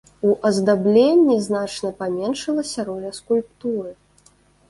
У аздабленні значна паменшылася роля скульптуры.